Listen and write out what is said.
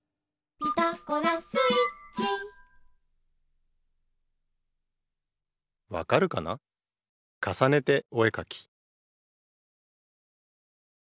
「ピタゴラスイッチ」「わかるかな？かさねておえかき」